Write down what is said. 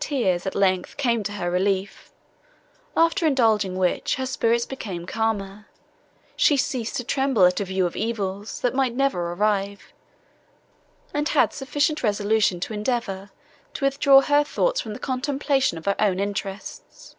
Tears, at length, came to her relief, after indulging which, her spirits becoming calmer, she ceased to tremble at a view of evils, that might never arrive; and had sufficient resolution to endeavour to withdraw her thoughts from the contemplation of her own interests.